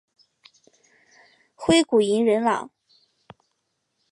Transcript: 炭谷银仁朗。